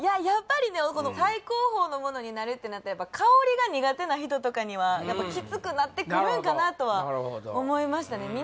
やっぱりね最高峰のものになるってなったら香りが苦手な人とかにはきつくなってくるんかなとは思いましたね